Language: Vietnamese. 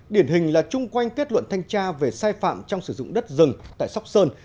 điển hình là chung quanh kết luận thanh tra về sai phạm trong sử dụng đất rừng tại sóc sơn